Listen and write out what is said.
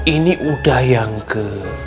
ini udah yang ke